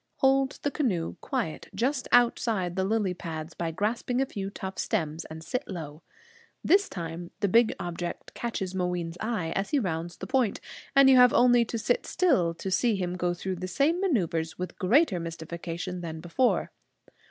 Hold the canoe quiet just outside the lily pads by grasping a few tough stems, and sit low. This time the big object catches Mooween's eye as he rounds the point; and you have only to sit still to see him go through the same maneuvers with greater mystification than before.